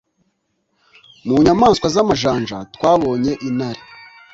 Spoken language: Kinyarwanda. Mu nyamaswa z’amajanja twabonye intare,